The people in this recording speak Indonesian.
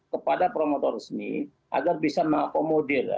kepada promotor resmi agar bisa mengakomodir